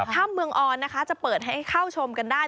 ถ้ำเมืองออนนะคะจะเปิดให้เข้าชมกันได้